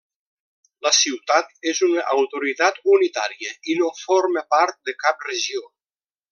La ciutat és una autoritat unitària i no forma part de cap regió.